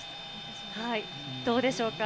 どうでしょうか。